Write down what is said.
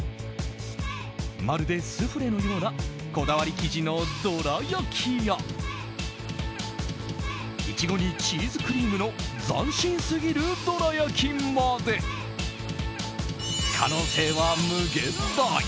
まるでスフレのようなこだわり生地のどら焼きやイチゴにチーズクリームの斬新すぎるどら焼きまで可能性は無限大！